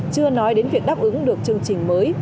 chưa nói đến việc đáp ứng được chương trình mới